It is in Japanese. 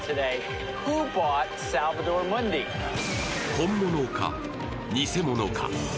本物か、偽物か。